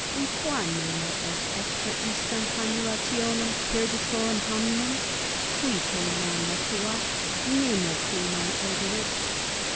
in qua nemo est extra istam coniurationem perditorum hominum, qui te non metuat, nemo, qui non oderit.